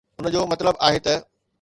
ان جو مطلب آهي ته.